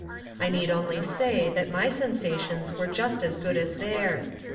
I need only say that my sensations were just as good as theirs.